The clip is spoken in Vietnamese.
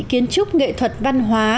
kiến trúc nghệ thuật văn hóa